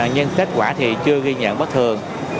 nhưng kết quả thì chưa ghi nhận bất thường